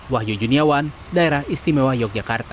wahyu juniawan daerah istimewa yogyakarta